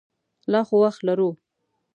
لا خو وخت لرو.